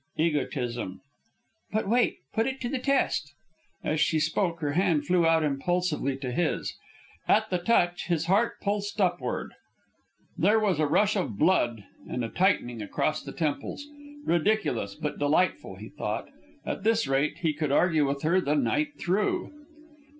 "Egotism." "But wait. Put it to the test." As she spoke her hand flew out impulsively to his. At the touch his heart pulsed upward, there was a rush Of blood and a tightening across the temples. Ridiculous, but delightful, he thought. At this rate he could argue with her the night through.